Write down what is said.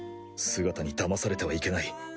姿にだまされてはいけない。